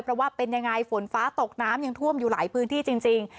เพราะว่าเป็นยังไงฝนฟ้าตกน้ำยังท่วมอยู่หลายพื้นที่จริง